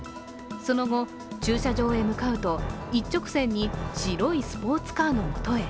その後、駐車場へ向かうと、一直線に白いスポーツカーの元へ。